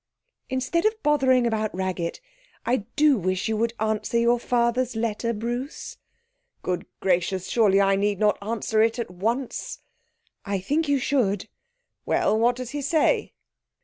'Instead of bothering about Raggett, I do wish you would answer your father's letter, Bruce.' 'Good gracious; surely I need not answer it at once!' 'I think you should.' 'Well, what does he say?'